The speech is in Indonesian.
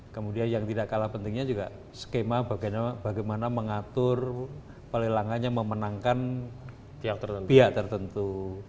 kemudian yang tidak kalah pentingnya juga skema bagaimana mengatur pelelangannya memenangkan pihak tertentu